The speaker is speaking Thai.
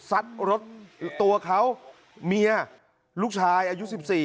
ซัดรถตัวเขาเมียลูกชายอายุ๑๔